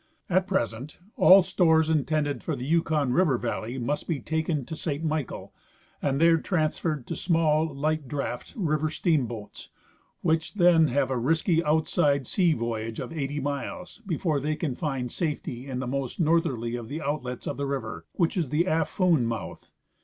At present all stores intended for the Yukon river valley must be taken to Saint Michael and there transferred to small, light draught river steamboats, Avhich then have a risky outside sea voyage of eight}^ miles before they can find safety in the most northerly of the outlets of the river, which is the x^phoon mouth.